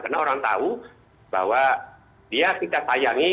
karena orang tahu bahwa dia kita sayangi